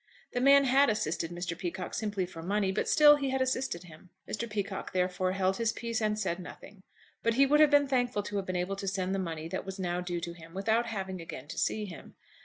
The man had assisted Mr. Peacocke simply for money; but still he had assisted him. Mr. Peacocke therefore held his peace and said nothing. But he would have been thankful to have been able to send the money that was now due to him without having again to see him.